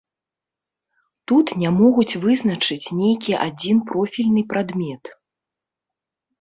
Тут не могуць вызначыць нейкі адзін профільны прадмет.